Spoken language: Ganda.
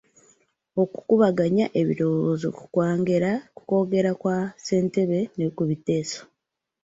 Okukubaganya ebirowoozo ku kwagera kwa ssentebe ne ku biteeso